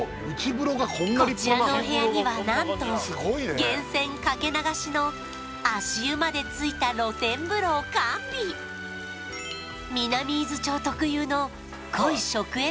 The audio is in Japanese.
こちらのお部屋にはなんと源泉掛け流しの足湯まで付いた露天風呂を完備ありがとうございます